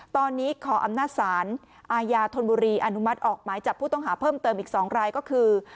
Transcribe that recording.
ตอนนี้ขออำนาจศาลอาญาธนบุรีอนุมัติออกหมายจับผู้ต้องหาเพิ่มเติมอีก๒รายก็คือ